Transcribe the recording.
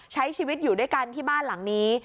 ใช้ชีวิตอยู่ด้วยกันที่บ้านหลังนี้